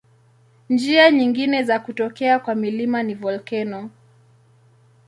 Njia nyingine ya kutokea kwa milima ni volkeno.